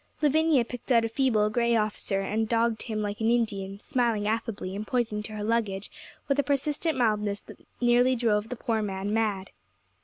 Lavinia picked out a feeble, gray officer, and dogged him like an Indian, smiling affably, and pointing to her luggage with a persistent mildness that nearly drove the poor man mad.